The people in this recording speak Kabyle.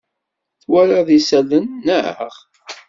Twalaḍ isalan, naɣ?